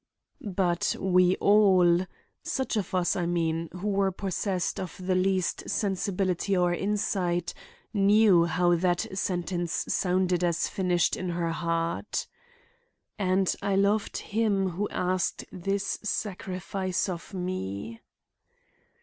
But we all—such of us, I mean, who were possessed of the least sensibility or insight, knew how that sentence sounded as finished in her heart "and I loved him who asked this sacrifice of me."